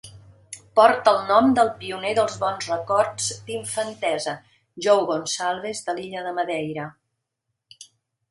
Porta el nom del pioner dels bons records d'infantesa, Joe Gonsalves, de l'illa de Madeira.